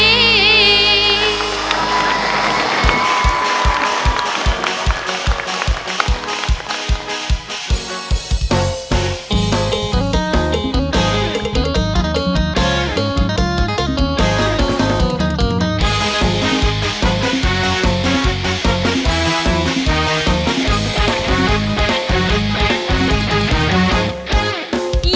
โอ้โหอะไรกันครับเนี่ย